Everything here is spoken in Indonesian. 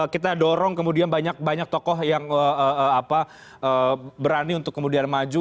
kita dorong kemudian banyak banyak tokoh yang berani untuk kemudian maju